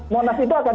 monas itu akan